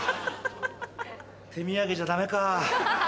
手土産じゃダメか。